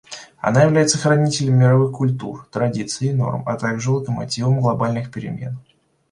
Она является хранителем мировых культур, традиций и норм, а также локомотивом глобальных перемен.